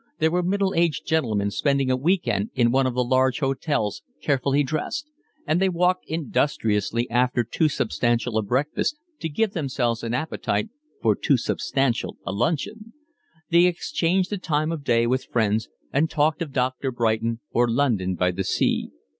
There were middle aged gentlemen spending a week end in one of the large hotels, carefully dressed; and they walked industriously after too substantial a breakfast to give themselves an appetite for too substantial a luncheon: they exchanged the time of day with friends and talked of Dr. Brighton or London by the Sea.